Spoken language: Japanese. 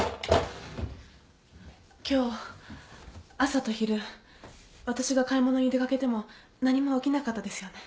今日朝と昼私が買い物に出掛けても何も起きなかったですよね？